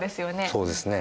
そうですね。